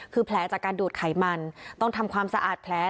คือแผลจากการดูดไขมันต้องทำความสะอาดแผล